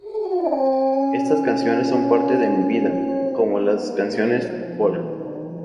Estas canciones son parte de mi vida, como las canciones folk.